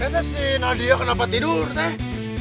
teh si nadia kenapa tidur teh